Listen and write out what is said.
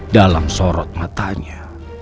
dalam sorot matanya